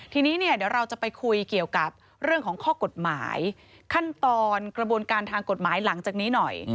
ทีนี้เนี่ยเดี๋ยวเราจะไปคุยเกี่ยวกับเรื่องของข้อกฎหมายขั้นตอนกระบวนการทางกฎหมายหลังจากนี้หน่อย